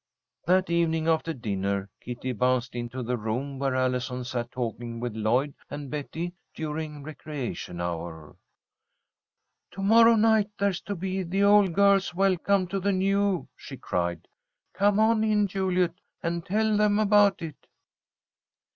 That evening after dinner Kitty bounced into the room where Allison sat talking with Lloyd and Betty during recreation hour. "To morrow night there's to be the Old Girls' Welcome to the New!" she cried. "Come on in, Juliet, and tell them about it."